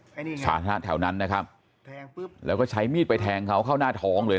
สาธารณะแถวนั้นนะครับแล้วก็ใช้มีดไปแทงเขาเข้าหน้าท้องเลย